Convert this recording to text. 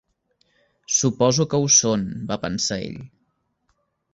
"Suposo que ho són" va pensar ell.